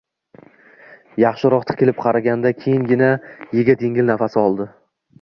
Yaxshiroq tikilib qaragandan keyingina yigit engil nafas oldi